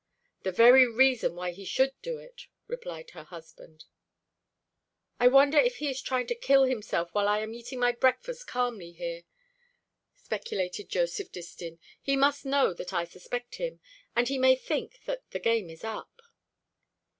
"The very reason why he should do it," replied her husband. "I wonder if he is trying to kill himself while I am eating my breakfast calmly here?" speculated Joseph Distin. "He must know that I suspect him; and he may think that the game is up."